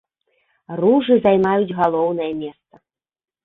Ружы займаюць галоўнае месца.